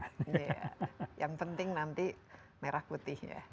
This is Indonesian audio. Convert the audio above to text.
iya yang penting nanti merah putih ya